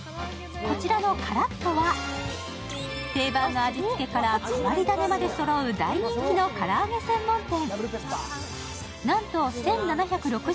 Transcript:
こちらのからっ鳥は、定番の味付けから変わり種までそろう大人気のから揚げ専門店。